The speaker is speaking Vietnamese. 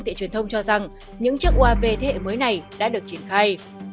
thị truyền thông cho rằng những chiếc uav thế hệ mới này đã được triển khai